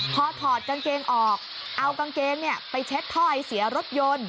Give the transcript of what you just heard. พอถอดกางเกงออกเอากางเกงไปเช็ดถ้อยเสียรถยนต์